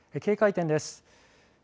警戒点です。